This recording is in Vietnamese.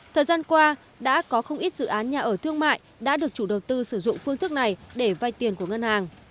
thời gian qua đã có không ít dự án nhà ở thương mại đã được chủ đầu tư sử dụng phương thức này để vay tiền của ngân hàng